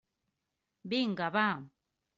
Vinga, va!